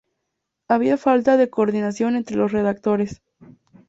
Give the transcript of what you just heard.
Había falta de coordinación entre los redactores.